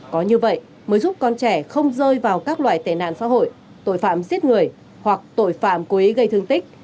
có như vậy mới giúp con trẻ không rơi vào các loại tệ nạn xã hội tội phạm giết người hoặc tội phạm cố ý gây thương tích